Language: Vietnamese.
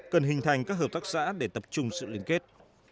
cần hình thành các hợp tác xã để tập trung sự liên kết